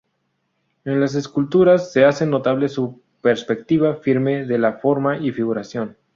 En las esculturas se hace notable su perspectiva firme de la forma y figuración.